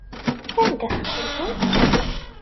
Anda-t xali-m?